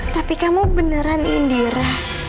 tapi kamu beneran indira